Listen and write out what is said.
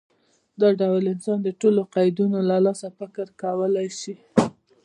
دا ډول انسان د ټولو قیدونو له پاسه فکر کولی شي.